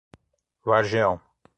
Vargeão